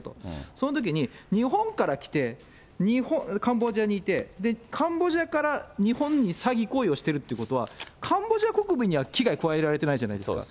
そのときに、日本から来て、カンボジアにいて、カンボジアから日本に詐欺行為をしているということは、カンボジア国民には危害を加えられてないじゃないですか。